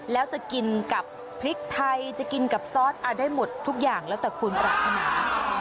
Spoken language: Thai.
แล้วจะกินกับพริกไทยจะกินกับซอสได้หมดทุกอย่างแล้วแต่คุณปรารถนา